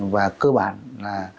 và cơ bản là